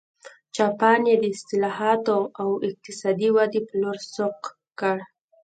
جاپان یې د اصلاحاتو او اقتصادي ودې په لور سوق کړ.